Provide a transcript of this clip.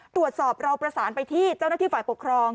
ตรวจสอบเราประสานไปที่เจ้าหน้าที่ฝ่ายปกครอง